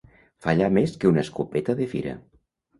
Fallar més que una escopeta de fira.